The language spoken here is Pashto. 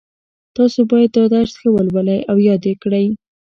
تاسو باید دا درس ښه ولولئ او یاد یې کړئ